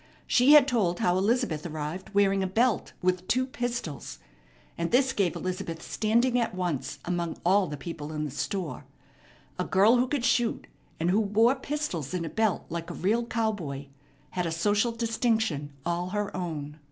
She had told how Elizabeth arrived wearing a belt with two pistols, and this gave Elizabeth standing at once among all the people in the store. A girl who could shoot, and who wore pistols in a belt like a real cowboy, had a social distinction all her own.